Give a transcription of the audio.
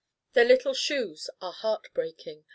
their little shoes are heartbreaking.